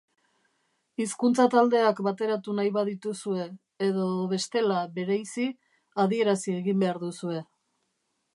Hizkuntza-taldeak bateratu nahi badituzue, edo bestela, bereizi, adierazi egin behar duzue.